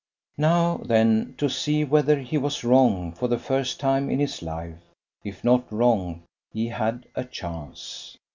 Now, then, to see whether he was wrong for the first time in his life! If not wrong, he had a chance.